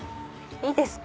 いいですか？